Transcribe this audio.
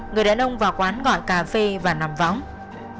người đàn ông vào quán gọi cà phê và nằm võng